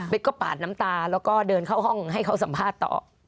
ก็ปาดน้ำตาแล้วก็เดินเข้าห้องให้เขาสัมภาษณ์ต่อ